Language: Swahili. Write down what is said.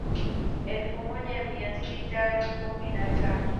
Elfu moja mia sita kumi na tatu